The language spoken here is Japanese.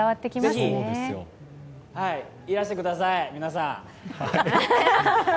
ぜひ、いらしてください、皆さん。